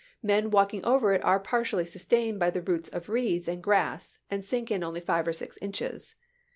Men walking over it are partially sustained by the roots of reeds and grass, and sink in only five or six inches.